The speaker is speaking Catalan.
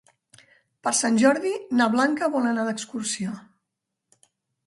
Per Sant Jordi na Blanca vol anar d'excursió.